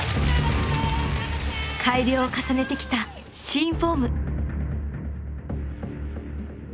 改良を重ねてきた新フォーム！